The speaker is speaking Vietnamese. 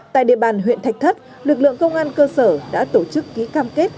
tại địa bàn huyện thạch thất lực lượng công an cơ sở đã tổ chức ký cam kết